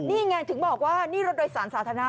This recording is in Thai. นี่ไงถึงบอกว่านี่รถโดยสารสาธารณะ